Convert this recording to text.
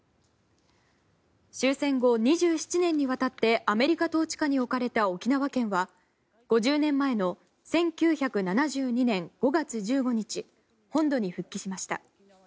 終戦後２７年にわたってアメリカ統治下に置かれた沖縄県は５０年前の１９７２年５月１５日本土に復帰しました。